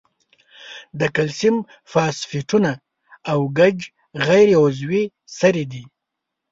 د کلسیم فاسفیټونه او ګچ غیر عضوي سرې دي.